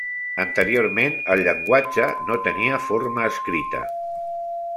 Anteriorment el llenguatge no tenia forma escrita.